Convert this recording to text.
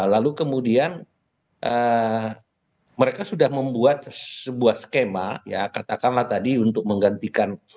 lalu kemudian mereka sudah membuat sebuah skema ya katakanlah tadi untuk menggantikan